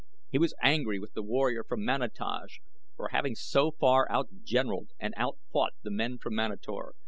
He was angry with the warrior from Manataj for having so far out generaled and out fought the men from Manator.